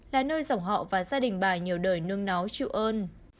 là nơi dòng họ và gia đình bà nhiều đời nương nóng chịu ơn